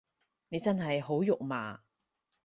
你真係好肉麻